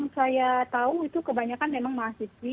saya tahu itu kebanyakan memang mahasiswi